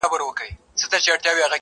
زما آواز که در رسیږي -